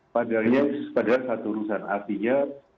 padahal ini padahal satu urusan artinya